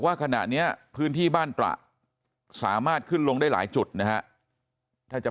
ว่าขณะนี้พื้นที่บ้านตระสามารถขึ้นลงได้หลายจุดนะฮะถ้าจะ